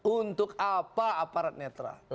untuk apa aparat netra